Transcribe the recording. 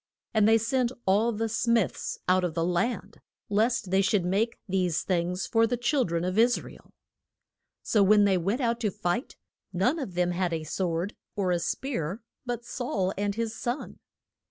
And they sent all the smiths out of the land, lest they should make these things for the chil dren of Is ra el. So when they went out to fight none of them had a sword or a spear but Saul and his son.